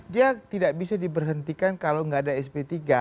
dia tidak bisa diberhentikan kalau nggak ada sp tiga